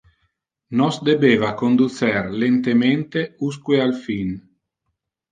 Nos debeva conducer lentemente usque al fin.